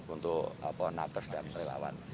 untuk ponaters dan relawan